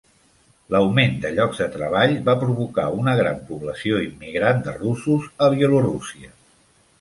L'augment de llocs de treball va provocar una gran població immigrant de russos a Bielorússia.